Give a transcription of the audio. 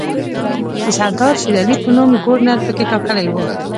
د سردار شېرعلي په نوم ګورنر پکې ټاکلی وو.